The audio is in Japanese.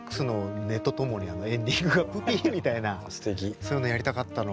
そういうのやりたかったの。